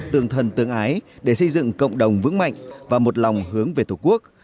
tương thân tương ái để xây dựng cộng đồng vững mạnh và một lòng hướng về tổ quốc